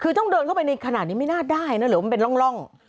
คือต้องเดินเข้าไปในขณะนี้ไม่น่าได้นะหรือว่ามันเป็นร่อง